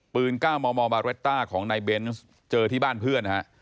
ปืนก้าวมอร์มอร์บาร์เวตต้าของนายเบนส์เจอที่บ้านเพื่อน